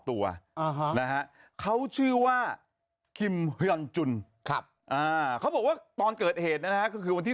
ตัวนะฮะเขาชื่อว่าคิมฮอนจุนเขาบอกว่าตอนเกิดเหตุนะฮะก็คือวันที่